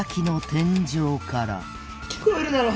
「聞こえるだろ？」